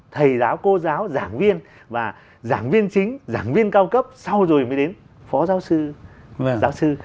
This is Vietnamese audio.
thầy giáo cô giáo giảng viên và giảng viên chính giảng viên cao cấp sau rồi mới đến phó giáo sư và giáo sư